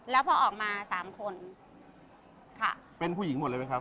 แล้วพอออกมาสามคนค่ะเป็นผู้หญิงหมดเลยไหมครับ